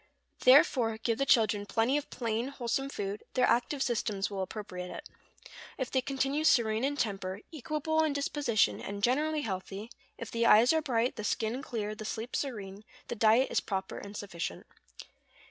Therefore give the children plenty of plain, wholesome food; their active systems will appropriate it. If they continue serene in temper, equable in disposition, and generally healthy, if the eyes are bright, the skin clear, the sleep serene, the diet is proper and sufficient.